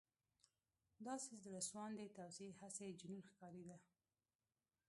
• داسې زړهسواندې توصیې، هسې جنون ښکارېده.